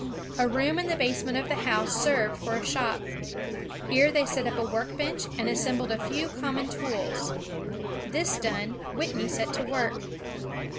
A room in the basement of the house served for a shop. Here they set up a workbench and assembled a few common tools. This done, Whitney set to work.